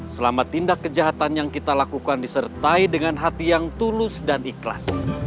selama tindak kejahatan yang kita lakukan disertai dengan hati yang tulus dan ikhlas